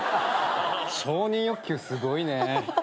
承認欲求すごいね。